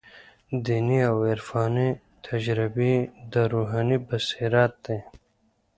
دیني او عرفاني تجربې د روحاني بصیرت دي.